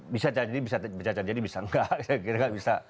bisa jadi bisa jadi bisa